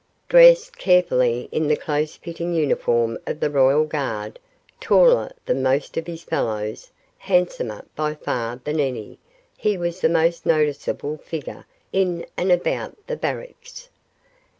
Dressed carefully in the close fitting uniform of the royal guard, taller than most of his fellows, handsomer by far than any, he was the most noticeable figure in and about the barracks.